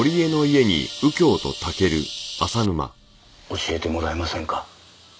教えてもらえませんか。